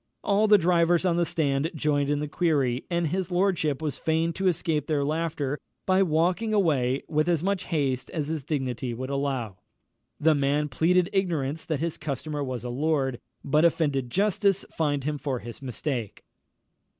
All the drivers on the stand joined in the query, and his lordship was fain to escape their laughter by walking away with as much haste as his dignity would allow. The man pleaded ignorance that his customer was a lord, but offended justice fined him for his mistake.